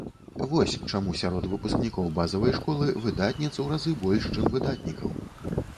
Вось чаму сярод выпускнікоў базавай школы выдатніц у разы больш, чым выдатнікаў.